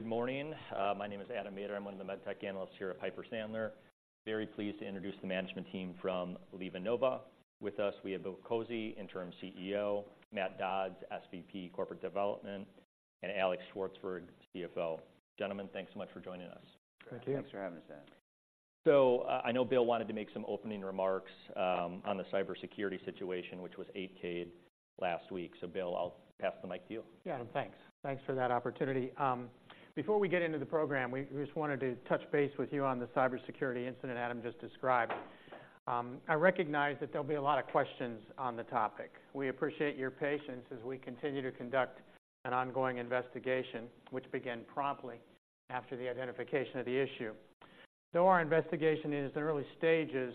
Good morning. My name is Adam Maeder. I'm one of the med tech analysts here at Piper Sandler. Very pleased to introduce the management team from LivaNova. With us, we have Bill Kozy, Interim CEO, Matt Dodds, SVP Corporate Development, and Alex Shvartsburg, CFO. Gentlemen, thanks so much for joining us. Thank you. Thanks for having us, Adam. So, I know Bill wanted to make some opening remarks on the cybersecurity situation, which was 8-K'd last week. So Bill, I'll pass the mic to you. Yeah, thanks. Thanks for that opportunity. Before we get into the program, we just wanted to touch base with you on the cybersecurity incident Adam just described. I recognize that there'll be a lot of questions on the topic. We appreciate your patience as we continue to conduct an ongoing investigation, which began promptly after the identification of the issue. Though our investigation is in early stages,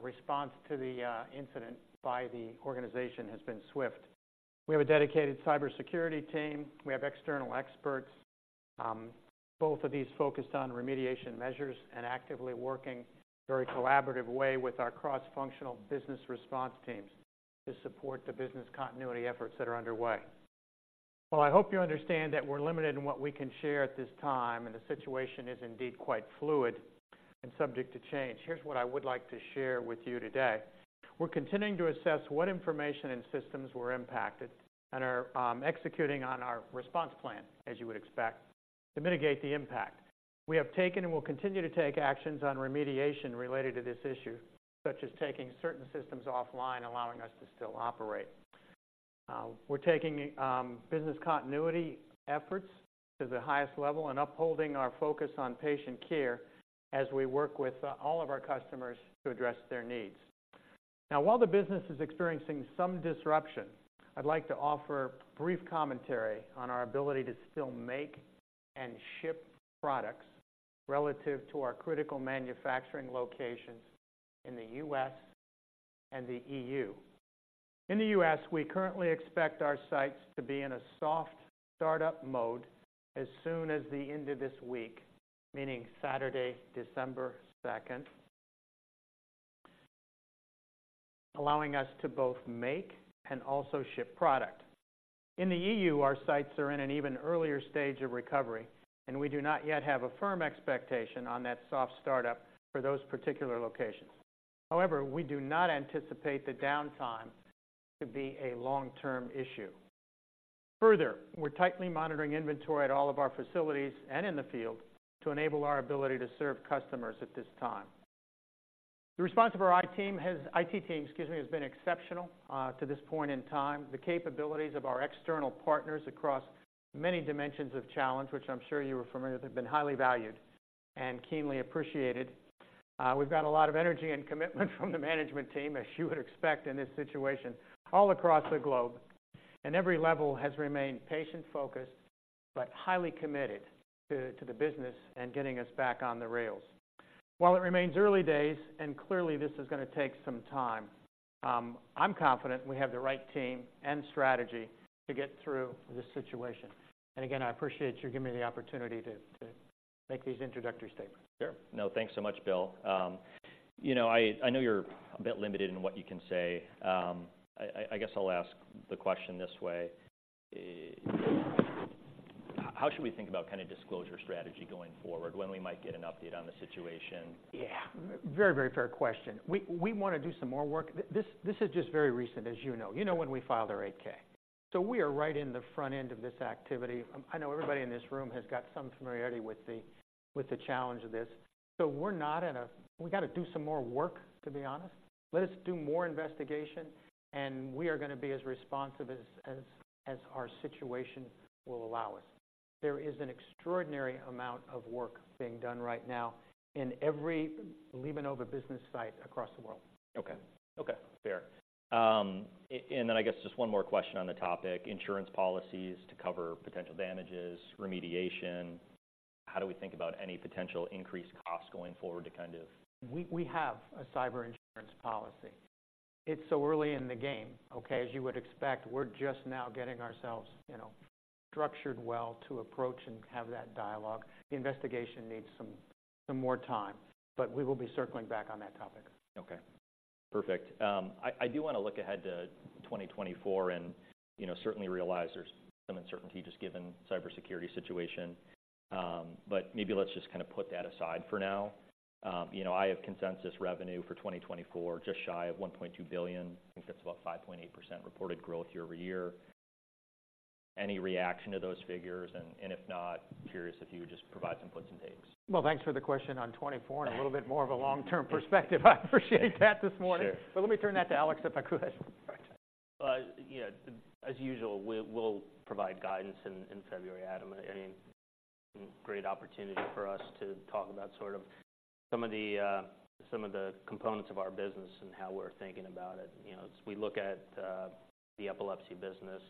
response to the incident by the organization has been swift. We have a dedicated cybersecurity team. We have external experts, both of these focused on remediation measures and actively working in a very collaborative way with our cross-functional business response teams to support the business continuity efforts that are underway. Well, I hope you understand that we're limited in what we can share at this time, and the situation is indeed quite fluid and subject to change. Here's what I would like to share with you today. We're continuing to assess what information and systems were impacted and are executing on our response plan, as you would expect, to mitigate the impact. We have taken and will continue to take actions on remediation related to this issue, such as taking certain systems offline, allowing us to still operate. We're taking business continuity efforts to the highest level and upholding our focus on patient care as we work with all of our customers to address their needs. Now, while the business is experiencing some disruption, I'd like to offer brief commentary on our ability to still make and ship products relative to our critical manufacturing locations in the U.S. and the E.U. In the U.S., we currently expect our sites to be in a soft startup mode as soon as the end of this week, meaning Saturday, December 2nd, allowing us to both make and also ship product. In the E.U., our sites are in an even earlier stage of recovery, and we do not yet have a firm expectation on that soft startup for those particular locations. However, we do not anticipate the downtime to be a long-term issue. Further, we're tightly monitoring inventory at all of our facilities and in the field to enable our ability to serve customers at this time. The response of our IT team, excuse me, has been exceptional to this point in time. The capabilities of our external partners across many dimensions of challenge, which I'm sure you are familiar with, have been highly valued and keenly appreciated. We've got a lot of energy and commitment from the management team, as you would expect in this situation, all across the globe, and every level has remained patient-focused, but highly committed to the business and getting us back on the rails. While it remains early days, and clearly, this is going to take some time, I'm confident we have the right team and strategy to get through this situation. Again, I appreciate you giving me the opportunity to make these introductory statements. Sure. No, thanks so much, Bill. You know, I know you're a bit limited in what you can say. I guess I'll ask the question this way: How should we think about kind of disclosure strategy going forward, when we might get an update on the situation? Yeah, very, very fair question. We want to do some more work. This is just very recent, as you know. You know, when we filed our 8-K. So we are right in the front end of this activity. I know everybody in this room has got some familiarity with the challenge of this. So we're not at a... We got to do some more work, to be honest. Let us do more investigation, and we are going to be as responsive as our situation will allow us. There is an extraordinary amount of work being done right now in every LivaNova business site across the world. Okay. Okay, fair. And then I guess just one more question on the topic: insurance policies to cover potential damages, remediation. How do we think about any potential increased costs going forward to kind of- We have a cyber insurance policy. It's so early in the game, okay? As you would expect, we're just now getting ourselves, you know, structured well to approach and have that dialogue. The investigation needs some more time, but we will be circling back on that topic. Okay, perfect. I do want to look ahead to 2024 and, you know, certainly realize there's some uncertainty just given cybersecurity situation. But maybe let's just kind of put that aside for now. You know, I have consensus revenue for 2024, just shy of $1.2 billion. I think that's about 5.8% reported growth year-over-year. Any reaction to those figures? And if not, curious if you would just provide some puts and takes. Well, thanks for the question on 2024- Yeah... and a little bit more of a long-term perspective. I appreciate that this morning. Sure. Let me turn that to Alex, if I could. Yeah, as usual, we'll provide guidance in February, Adam. I mean, great opportunity for us to talk about sort of some of the components of our business and how we're thinking about it. You know, as we look at the epilepsy business,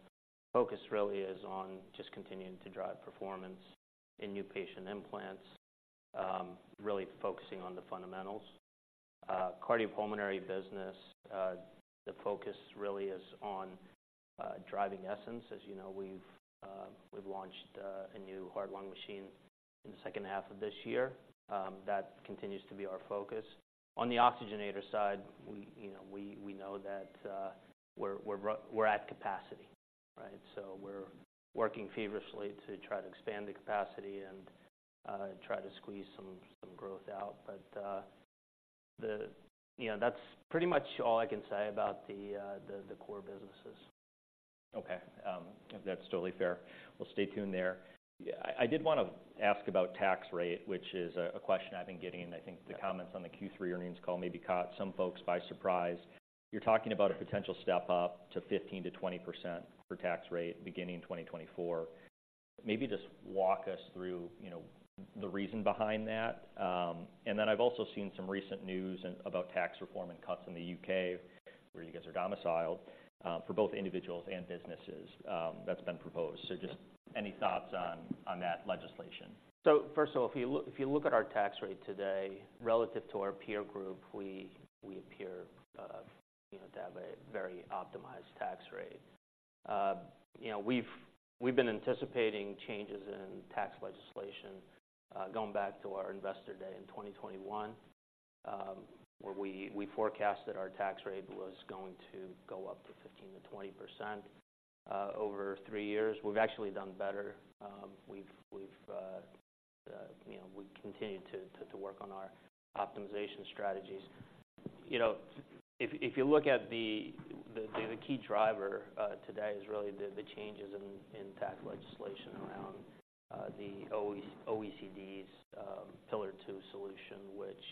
focus really is on just continuing to drive performance in new patient implants, really focusing on the fundamentals. Cardiopulmonary business, the focus really is on driving Essenz. As you know, we've launched a new heart and lung machine in the second half of this year, that continues to be our focus. On the oxygenator side, you know, we know that we're at capacity, right? So we're working feverishly to try to expand the capacity and try to squeeze some growth out. You know, that's pretty much all I can say about the core businesses. Okay. That's totally fair. We'll stay tuned there. I did wanna ask about tax rate, which is a question I've been getting, and I think the comments on the Q3 earnings call maybe caught some folks by surprise. You're talking about a potential step up to 15%-20% for tax rate, beginning in 2024. Maybe just walk us through, you know, the reason behind that. And then I've also seen some recent news and about tax reform and cuts in the U.K., where you guys are domiciled, for both individuals and businesses, that's been proposed. So just any thoughts on that legislation? So first of all, if you look at our tax rate today, relative to our peer group, we appear, you know, to have a very optimized tax rate. You know, we've been anticipating changes in tax legislation, going back to our Investor Day in 2021, where we forecasted our tax rate was going to go up to 15%-20%, over three years. We've actually done better. You know, we continued to work on our optimization strategies. You know, if you look at the key driver today is really the changes in tax legislation around the OECD's Pillar Two solution, which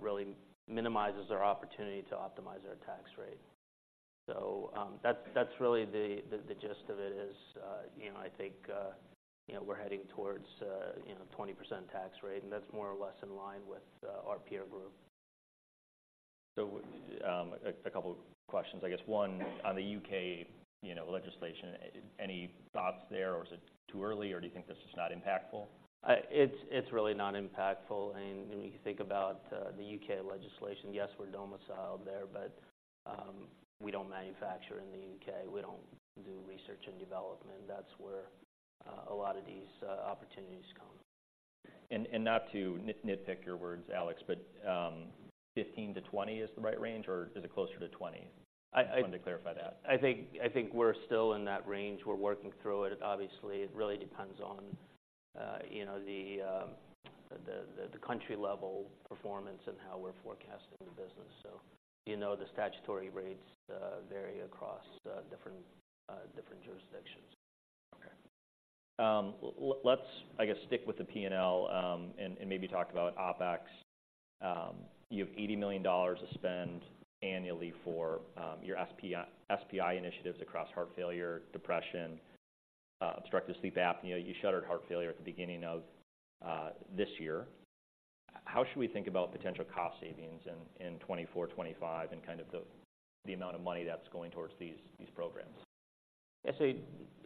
really minimizes our opportunity to optimize our tax rate. So, that's really the gist of it is. You know, I think, you know, we're heading towards, you know, 20% tax rate, and that's more or less in line with our peer group. So, a couple of questions. I guess one, on the U.K., you know, legislation, any thoughts there, or is it too early, or do you think this is not impactful? It's really not impactful. When you think about the UK legislation, yes, we're domiciled there, but we don't manufacture in the UK. We don't do research and development. That's where a lot of these opportunities come. Not to nitpick your words, Alex, but 15-20 is the right range, or is it closer to 20? I, I- Just wanted to clarify that. I think, I think we're still in that range. We're working through it. Obviously, it really depends on, you know, the country level performance and how we're forecasting the business. So, you know, the statutory rates vary across different jurisdictions. Okay. Let's, I guess, stick with the P&L, and maybe talk about OpEx. You have $80 million to spend annually for your SPI initiatives across heart failure, depression, obstructive sleep apnea. You shuttered heart failure at the beginning of this year. How should we think about potential cost savings in 2024, 2025, and kind of the amount of money that's going towards these programs? I say,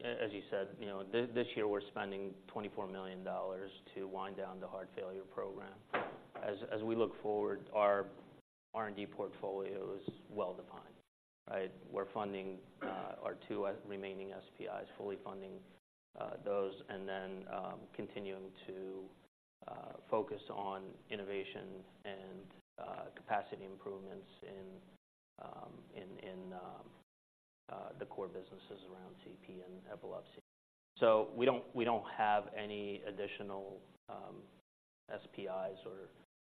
as you said, you know, this, this year we're spending $24 million to wind down the heart failure program. As we look forward, our R&D portfolio is well-defined, right? We're funding our two remaining SPIs, fully funding those, and then continuing to focus on innovation and capacity improvements in the core businesses around CP and epilepsy. So we don't have any additional SPIs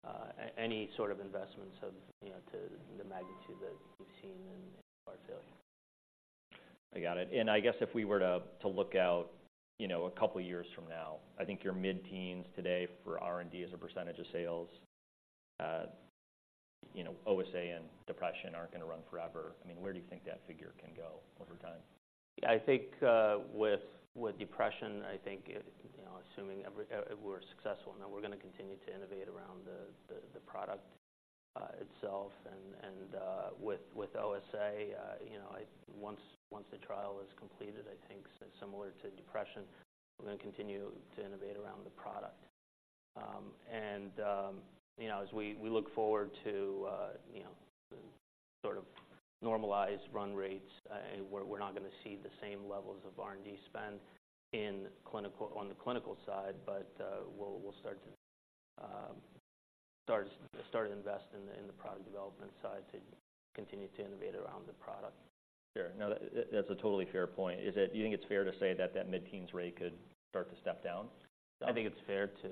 or any sort of investments of, you know, to the magnitude that we've seen in heart failure. I got it. And I guess if we were to look out, you know, a couple of years from now, I think your mid-teens today for R&D as a percentage of sales, you know, OSA and depression aren't gonna run forever. I mean, where do you think that figure can go over time? I think, with depression, I think it... You know, assuming we're successful, then we're gonna continue to innovate around the product itself. And, with OSA, you know, once the trial is completed, I think similar to depression, we're gonna continue to innovate around the product. And, you know, as we look forward to, you know, sort of normalized run rates, and we're not gonna see the same levels of R&D spend in clinical—on the clinical side, but, we'll start to invest in the product development side to continue to innovate around the product. Sure. Now, that's a totally fair point. Do you think it's fair to say that that mid-teens rate could start to step down? I think it's fair to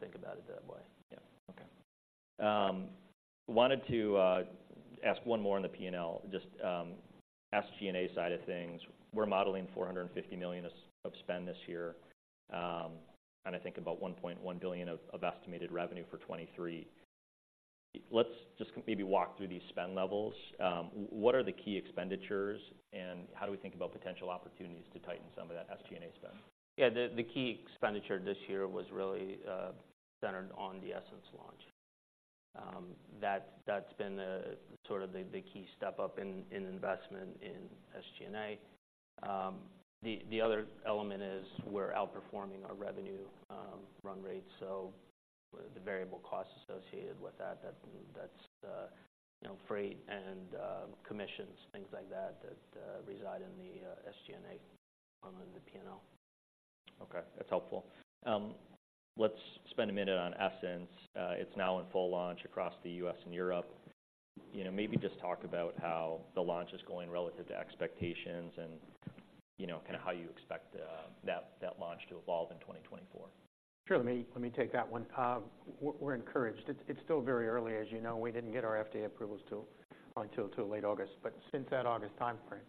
think about it that way, yeah. Okay. Wanted to ask one more on the P&L, just, SG&A side of things. We're modeling $450 million of spend this year, and I think about $1.1 billion of estimated revenue for 2023. Let's just maybe walk through these spend levels. What are the key expenditures, and how do we think about potential opportunities to tighten some of that SG&A spend? Yeah, the key expenditure this year was really centered on the Essenz launch. That's been sort of the key step up in investment in SG&A. The other element is we're outperforming our revenue run rate. So the variable costs associated with that, that's you know, freight and commissions, things like that, that reside in the SG&A on the P&L. Okay, that's helpful. Let's spend a minute on Essenz. It's now in full launch across the U.S. and Europe. You know, maybe just talk about how the launch is going relative to expectations and, you know, kind of how you expect that launch to evolve in 2024. Sure. Let me, let me take that one. We're encouraged. It's still very early as you know, we didn't get our FDA approvals until late August. But since that August timeframe,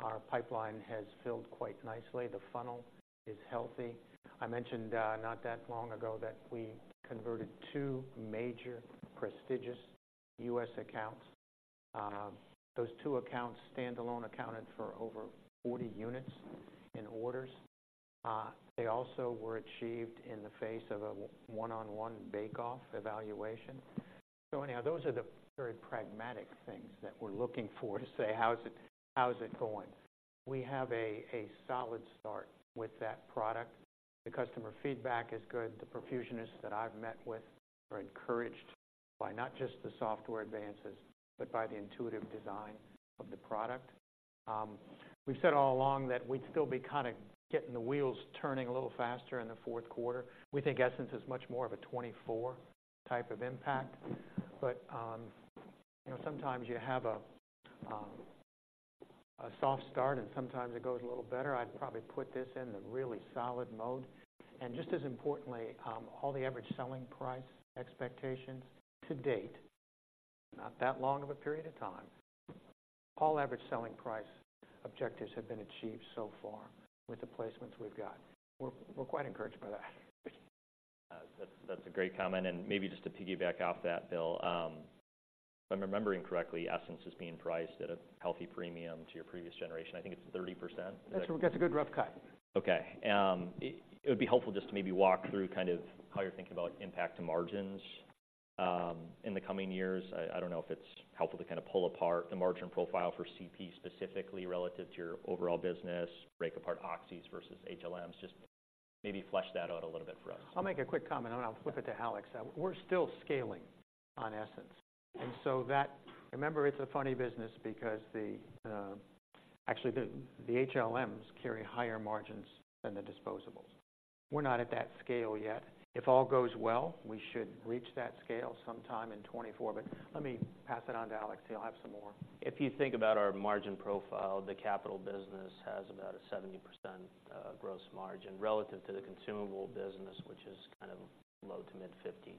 our pipeline has filled quite nicely. The funnel is healthy. I mentioned not that long ago that we converted two major prestigious U.S. accounts. Those two accounts, standalone, accounted for over 40 units in orders. They also were achieved in the face of a one-on-one bake-off evaluation. So anyhow, those are the very pragmatic things that we're looking for to say, "How is it, how's it going?" We have a solid start with that product. The customer feedback is good. The perfusionists that I've met with are encouraged by not just the software advances, but by the intuitive design of the product. We've said all along that we'd still be kind of getting the wheels turning a little faster in the fourth quarter. We think Essenz is much more of a 24 type of impact, but, you know, sometimes you have a soft start, and sometimes it goes a little better. I'd probably put this in the really solid mode, and just as importantly, all the average selling price expectations to date, not that long of a period of time, all average selling price objectives have been achieved so far with the placements we've got. We're quite encouraged by that. That's a great comment, and maybe just to piggyback off that, Bill, if I'm remembering correctly, Essenz is being priced at a healthy premium to your previous generation. I think it's 30%? That's a good rough cut. Okay. It would be helpful just to maybe walk through kind of how you're thinking about impact to margins in the coming years. I don't know if it's helpful to kind of pull apart the margin profile for CP, specifically relative to your overall business, break apart oxys versus HLMs. Just maybe flesh that out a little bit for us. I'll make a quick comment, and I'll flip it to Alex. We're still scaling on Essenz, and so that... Remember, it's a funny business because the, actually, the HLMs carry higher margins than the disposables. We're not at that scale yet. If all goes well, we should reach that scale sometime in 2024. But let me pass it on to Alex. He'll have some more. If you think about our margin profile, the capital business has about a 70% gross margin relative to the consumable business, which is kind of low-to-mid 50s%.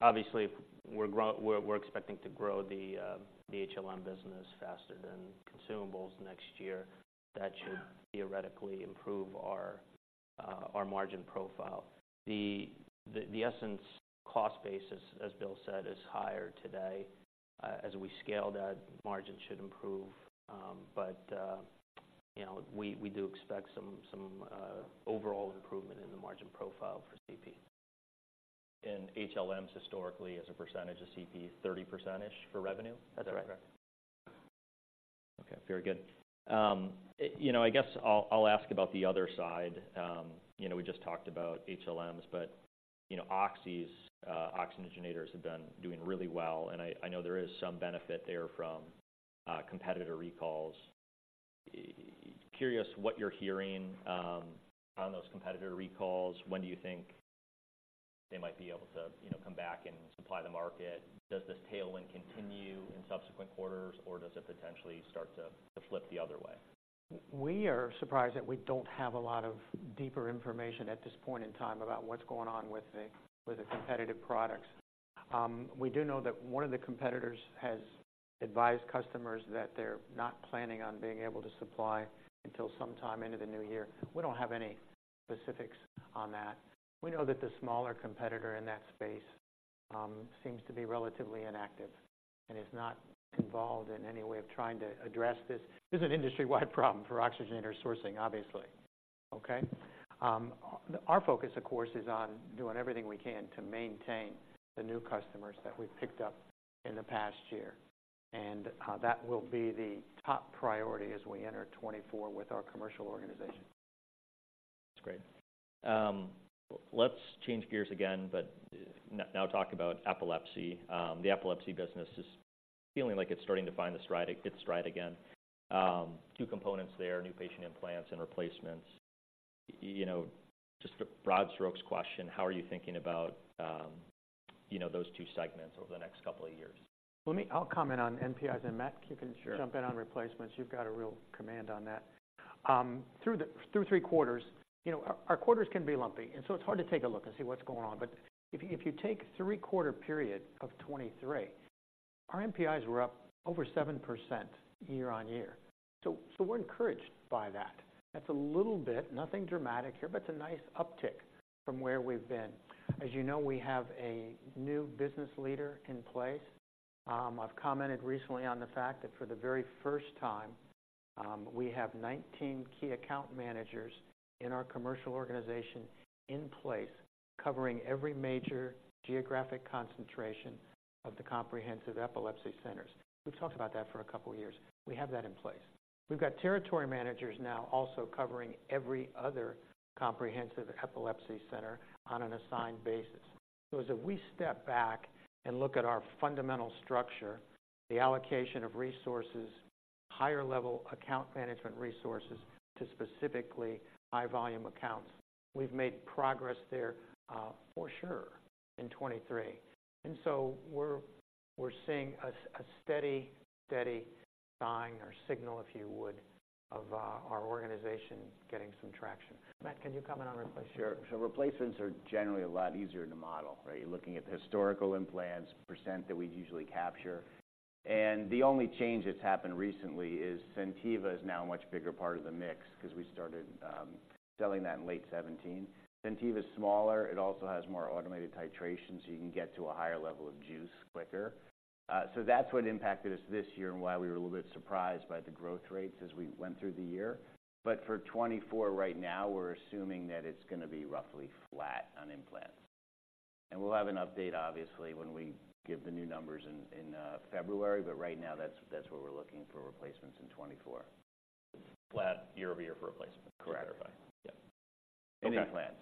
Obviously, we're expecting to grow the HLM business faster than consumables next year. That should theoretically improve our margin profile. The Essenz cost base, as Bill said, is higher today. As we scale, that margin should improve, but you know, we do expect some overall improvement in the margin profile for CP. HLMs, historically, as a percentage of CP, 30%-ish for revenue? That's right. Okay, very good. You know, I guess I'll ask about the other side. You know, we just talked about HLMs, but, you know, oxys, oxygenators have been doing really well, and I know there is some benefit there from competitor recalls. Curious what you're hearing on those competitor recalls. When do you think they might be able to, you know, come back and supply the market? Does this tailwind continue in subsequent quarters, or does it potentially start to flip the other way? We are surprised that we don't have a lot of deeper information at this point in time about what's going on with the competitive products. We do know that one of the competitors has advised customers that they're not planning on being able to supply until sometime into the new year. We don't have any specifics on that. We know that the smaller competitor in that space seems to be relatively inactive and is not involved in any way of trying to address this. This is an industry-wide problem for oxygenator sourcing, obviously. Okay? Our focus, of course, is on doing everything we can to maintain the new customers that we've picked up in the past year, and that will be the top priority as we enter 2024 with our commercial organization. That's great. Let's change gears again, but now talk about epilepsy. The epilepsy business is feeling like it's starting to find its stride again. Two components there, new patient implants and replacements. You know, just a broad strokes question, how are you thinking about, you know, those two segments over the next couple of years? I'll comment on NPIs, and, Matt, you can- Sure. Jump in on replacements. You've got a real command on that. Through three quarters... You know, our quarters can be lumpy, and so it's hard to take a look and see what's going on. But if you take three-quarter period of 2023, our NPIs were up over 7% year-on-year. So, so we're encouraged by that. That's a little bit, nothing dramatic here, but it's a nice uptick from where we've been. As you know, we have a new business leader in place. I've commented recently on the fact that for the very first time, we have 19 key account managers in our commercial organization in place, covering every major geographic concentration of the Comprehensive Epilepsy Centers. We've talked about that for a couple of years. We have that in place. We've got territory managers now also covering every other Comprehensive Epilepsy Center on an assigned basis. So as if we step back and look at our fundamental structure, the allocation of resources, higher level account management resources, to specifically high-volume accounts. We've made progress there, for sure in 2023, and so we're seeing a steady, steady sign or signal, if you would, of our organization getting some traction. Matt, can you comment on replacement? Sure. So replacements are generally a lot easier to model, right? You're looking at the historical implants percent that we usually capture. And the only change that's happened recently is SenTiva is now a much bigger part of the mix because we started selling that in late 2017. SenTiva is smaller. It also has more automated titration, so you can get to a higher level of juice quicker. So that's what impacted us this year and why we were a little bit surprised by the growth rates as we went through the year. But for 2024, right now, we're assuming that it's going to be roughly flat on implants. And we'll have an update, obviously, when we give the new numbers in February. But right now, that's what we're looking for replacements in 2024. Flat year-over-year for replacements? Correct. Yeah. In implants,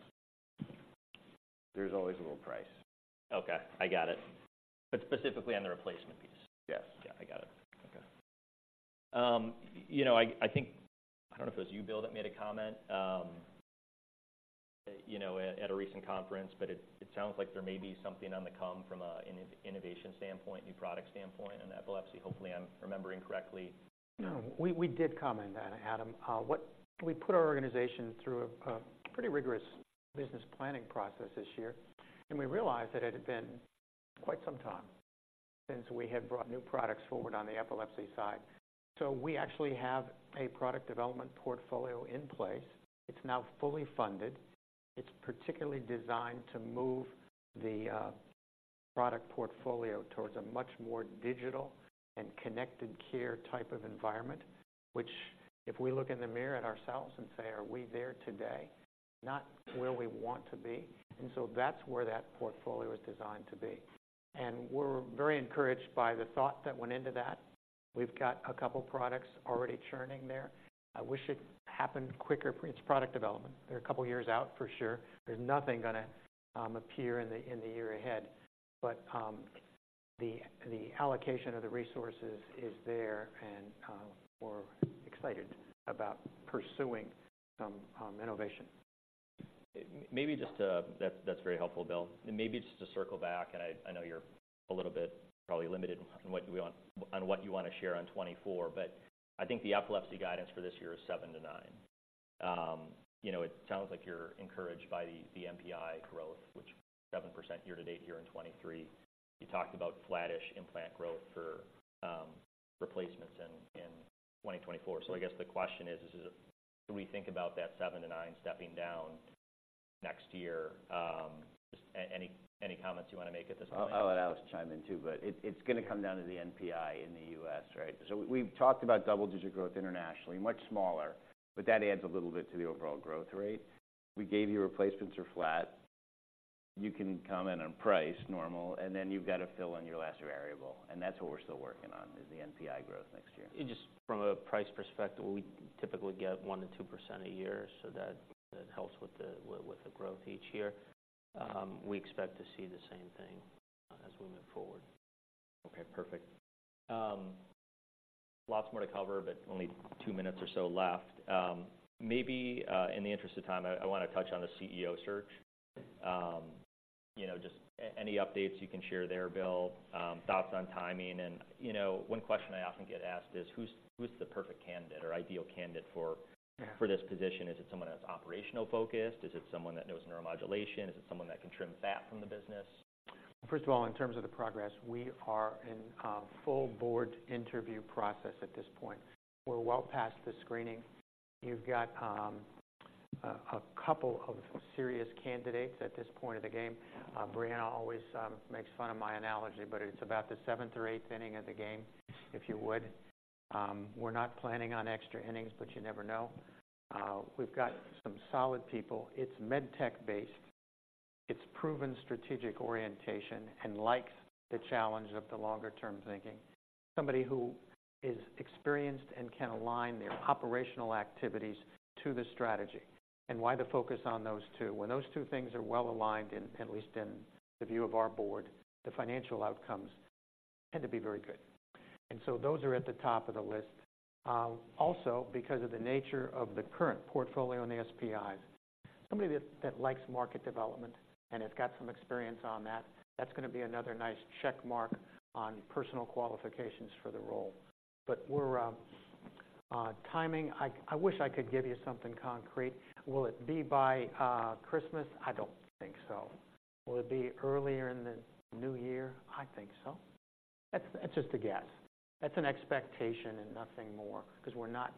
there's always a little price. Okay, I got it. But specifically on the replacement piece. Yes. Yeah, I got it. Okay. You know, I think... I don't know if it was you, Bill, that made a comment, you know, at a recent conference, but it sounds like there may be something on the come from a, an innovation standpoint, new product standpoint, and epilepsy. Hopefully, I'm remembering correctly. No, we, we did comment on it, Adam. We put our organization through a pretty rigorous business planning process this year, and we realized that it had been quite some time since we had brought new products forward on the epilepsy side. So we actually have a product development portfolio in place. It's now fully funded. It's particularly designed to move the product portfolio towards a much more digital and connected care type of environment, which, if we look in the mirror at ourselves and say: Are we there today? Not where we want to be. And so that's where that portfolio is designed to be, and we're very encouraged by the thought that went into that. We've got a couple products already churning there. I wish it happened quicker. It's product development. They're a couple of years out for sure. There's nothing gonna appear in the year ahead, but the allocation of the resources is there, and we're excited about pursuing some innovation. That's very helpful, Bill. And maybe just to circle back, and I know you're a little bit probably limited on what you want to share on 2024, but I think the epilepsy guidance for this year is seven to nine. You know, it sounds like you're encouraged by the NPI growth, which is 7% year to date here in 2023. You talked about flattish implant growth for replacements in 2024. So I guess the question is, do we think about that seven to nine stepping down next year? Just any comments you want to make at this point? I'll chime in too, but it's going to come down to the NPI in the U.S., right? So we've talked about double-digit growth internationally, much smaller, but that adds a little bit to the overall growth rate. We gave you replacements are flat. You can comment on price, normal, and then you've got to fill in your last variable, and that's what we're still working on, is the NPI growth next year. Just from a price perspective, we typically get 1%-2% a year, so that, that helps with the growth each year. We expect to see the same thing as we move forward. Okay, perfect. Lots more to cover, but only two minutes or so left. Maybe, in the interest of time, I want to touch on the CEO search. You know, just any updates you can share there, Bill? Thoughts on timing, and, you know, one question I often get asked is: Who's the perfect candidate or ideal candidate for- Yeah ... for this position? Is it someone that's operational focused? Is it someone that knows neuromodulation? Is it someone that can trim fat from the business? First of all, in terms of the progress, we are in a full board interview process at this point. We're well past the screening. You've got a couple of serious candidates at this point of the game. Brianna always makes fun of my analogy, but it's about the seventh or eighth inning of the game, if you would. We're not planning on extra innings, but you never know. We've got some solid people. It's med tech-based, it's proven strategic orientation, and likes the challenge of the longer-term thinking. Somebody who is experienced and can align their operational activities to the strategy. And why the focus on those two? When those two things are well aligned, in at least in the view of our board, the financial outcomes tend to be very good. And so those are at the top of the list. Also, because of the nature of the current portfolio and the SPIs, somebody that likes market development and has got some experience on that, that's going to be another nice check mark on personal qualifications for the role. But we're on timing, I wish I could give you something concrete. Will it be by Christmas? I don't think so. Will it be earlier in the new year? I think so. That's just a guess. That's an expectation and nothing more, because we're not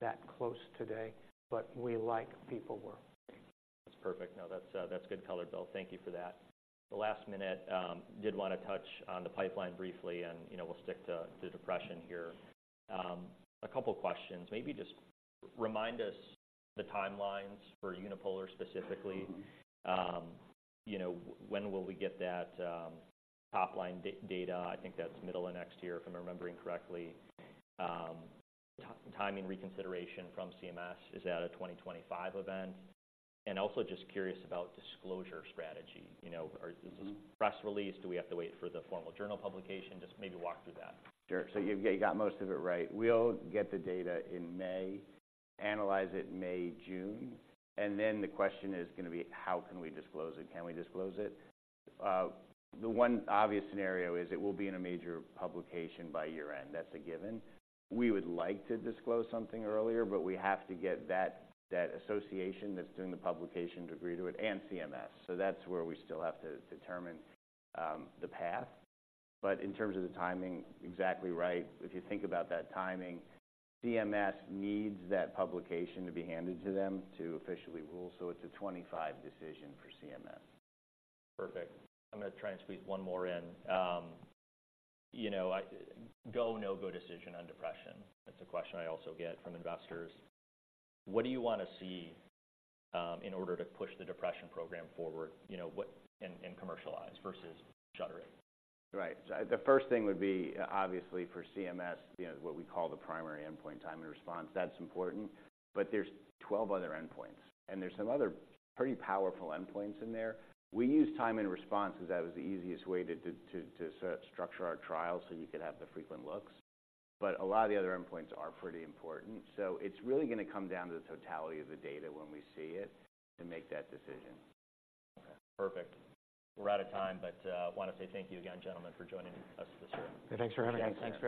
that close today, but we like people working. That's perfect. No, that's, that's good color, Bill. Thank you for that. The last minute, did want to touch on the pipeline briefly, and, you know, we'll stick to depression here. A couple questions. Maybe just remind us the timelines for unipolar, specifically. You know, when will we get that, top-line data? I think that's middle of next year, if I'm remembering correctly. Timing reconsideration from CMS, is that a 2025 event? And also just curious about disclosure strategy. You know, or- Mm-hmm. Is this press release, do we have to wait for the formal journal publication? Just maybe walk through that. Sure. So you, you got most of it right. We'll get the data in May, analyze it May, June, and then the question is going to be: How can we disclose it? Can we disclose it? The one obvious scenario is it will be in a major publication by year-end. That's a given. We would like to disclose something earlier, but we have to get that, that association that's doing the publication to agree to it and CMS. So that's where we still have to determine the path. But in terms of the timing, exactly right. If you think about that timing, CMS needs that publication to be handed to them to officially rule, so it's a 25 decision for CMS. Perfect. I'm going to try and squeeze one more in. You know, go/no-go decision on depression. That's a question I also get from investors. What do you want to see in order to push the depression program forward? You know, what and commercialize versus shuttering? Right. So the first thing would be, obviously, for CMS, you know, what we call the primary endpoint, time and response. That's important, but there's 12 other endpoints, and there's some other pretty powerful endpoints in there. We use time and response because that was the easiest way to structure our trial, so you could have the frequent looks. But a lot of the other endpoints are pretty important. So it's really going to come down to the totality of the data when we see it, to make that decision. Okay, perfect. We're out of time, but, I want to say thank you again, gentlemen, for joining us this year. Thanks for having us. Thanks very much.